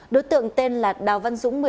đối tượng tên là đào văn dũng một mươi chín tuổi